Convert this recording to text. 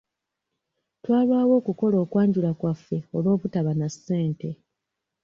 Twalwawo okukola okwanjula kwaffe olw'obutaba na ssente.